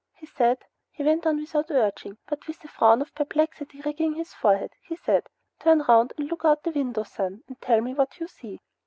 He said" he went on without urging, but with a frown of perplexity ridging his forehead "He said, 'Turn around and look out that window, son, and tell me what you see.'"